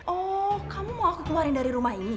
oh kamu mau aku keluarin dari rumah ini